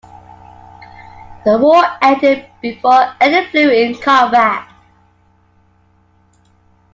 The war ended before any flew in combat.